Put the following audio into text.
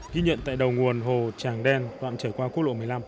ghi nhận tại đầu nguồn hồ tràng đen toạn trải qua quốc lộ một mươi năm